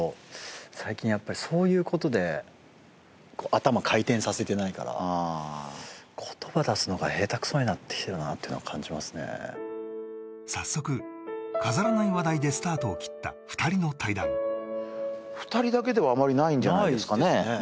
最近やっぱりそういうことで頭回転させてないからあ言葉出すのが下手くそになってきてるなっていうのは感じますね早速飾らない話題でスタートを切った２人の対談２人だけではあまりないんじゃないですかね